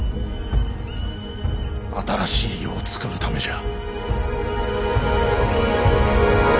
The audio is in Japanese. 新しい世をつくるためじゃ。